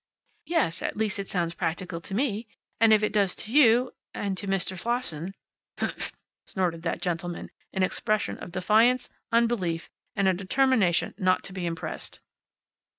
"Yes. At least, it sounds practical to me. And if it does to you and to Mr. Slosson " "Humph!" snorted that gentleman, in expression of defiance, unbelief, and a determination not to be impressed.